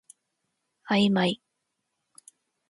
あいまい